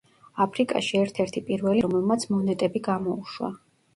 აფრიკაში ერთ-ერთი პირველი მეფე, რომელმაც მონეტები გამოუშვა.